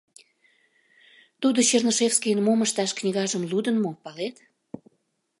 — Тудо Чернышевскийын «Мом ышташ?» книгажым лудын мо, палет?